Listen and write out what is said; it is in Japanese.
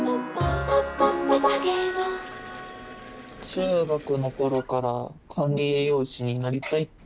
中学の頃から管理栄養士になりたいって。